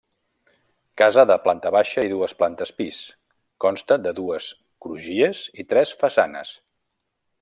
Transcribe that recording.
Casa de planta baixa i dues plantes pis, consta de dues crugies i tres façanes.